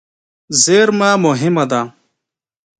زېرمه مهمه ده.